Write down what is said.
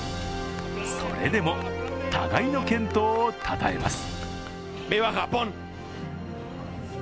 それでも互いの健闘をたたえます。